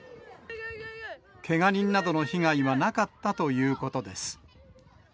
けが人などの被害はなかったということです。